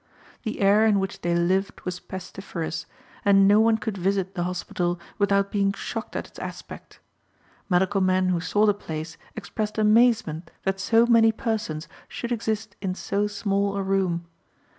The air in which they lived was pestiferous, and no one could visit the hospital without being shocked at its aspect. Medical men who saw the place expressed amazement that so many persons should exist in so small a room.